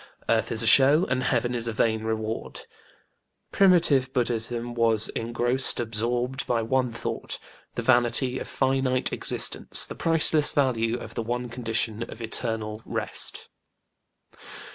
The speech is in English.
Earth is a show, and Heaven is a vain reward." Primitive BudĖĢdĖĢhism was engrossed, absorbed, by one thought the vanity of finite existence, the priceless value of the one condition of Eternal Rest.